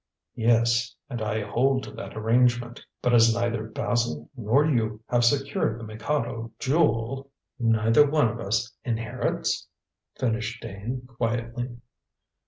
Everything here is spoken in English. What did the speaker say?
"Yes, and I hold to that arrangement. But as neither Basil nor you have secured the Mikado Jewel " "Neither one of us inherits?" finished Dane quietly.